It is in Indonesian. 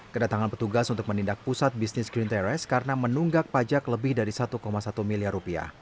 kedatangan petugas untuk menindak pusat bisnis green terrace karena menunggak pajak lebih dari satu satu miliar